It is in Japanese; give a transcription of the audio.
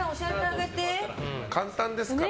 簡単ですから。